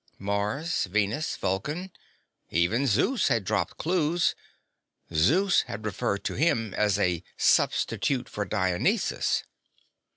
Mars, Venus, Vulcan even Zeus had dropped clues. Zeus had referred to him as a "substitute for Dionysus."